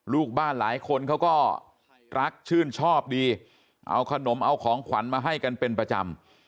ลูกบ้านหลายคนเขาก็รักชื่นชอบดีเอาขนมเอาของขวัญมาให้กันเป็นประจำ